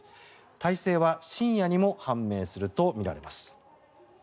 大勢は深夜にも判明するとみられます。